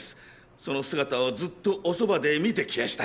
その姿をずっとおそばで見てきやした。